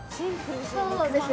そうですね。